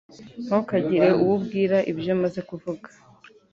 Ntukagire uwo ubwira ibyo maze kuvuga